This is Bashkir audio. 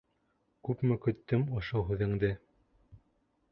Күпме көттөм ошо һүҙеңде.